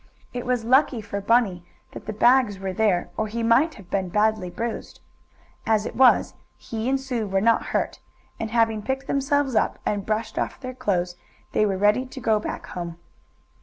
It was lucky for Bunny that the bags were there, or he might have been badly bruised. As it was he and Sue were not hurt, and, having picked themselves up, and brushed off their clothes, they were ready to go back home.